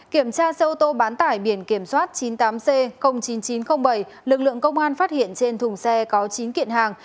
kiểm tra xe ô tô bán tải biển kiểm soát chín mươi tám c chín nghìn chín trăm linh bảy lực lượng công an phát hiện trên thùng xe có chín kiện hàng